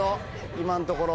今のところ。